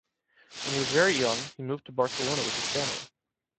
When he was very young, he moved to Barcelona with his family.